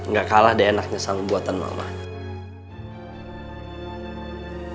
gak kalah deh enaknya sama buatan mamanya